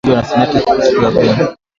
Jaji Ketanji ahojiwa na seneti siku ya pili